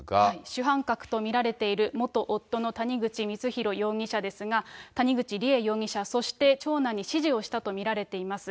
主犯格と見られている元夫の谷口光弘容疑者ですが、谷口梨恵容疑者、そして長男に指示をしたと見られています。